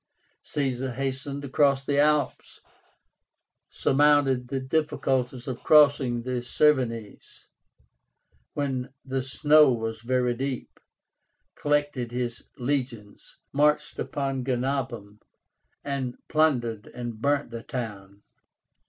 Caesar hastened across the Alps, surmounted the difficulties of crossing the Cevennes when the snow was very deep, collected his legions, marched upon Genabum, and plundered and burnt the town.